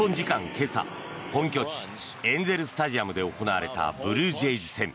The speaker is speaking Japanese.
今朝、本拠地エンゼル・スタジアムで行われたブルージェイズ戦。